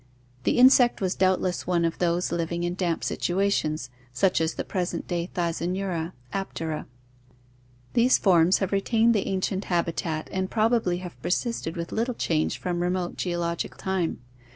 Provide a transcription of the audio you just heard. The insect was doubtless one of those living in damp situations, such as the present day Thysanura (Aptera). These forms have retained the ancient habitat and probably have persisted with little change from remote geologic time.